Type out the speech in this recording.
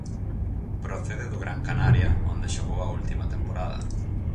Procede do Gran Canaria, onde xogou a última temporada.